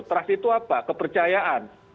trust itu apa kepercayaan